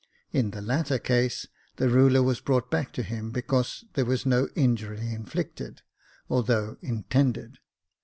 In the latter case, the ruler was brought back to him because there was no injury inflicted, although intended.